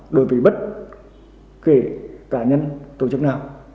đối với bất kể cả nhân tổ chức nào